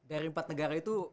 dari empat negara itu